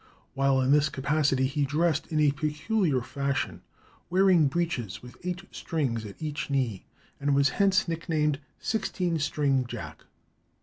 While in this capacity he dressed in a peculiar fashion, wearing breeches with eight strings at each knee, and was hence nicknamed Sixteen string Jack.